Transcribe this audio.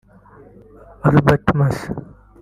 Alberto Massi